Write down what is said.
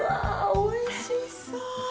おいしそう！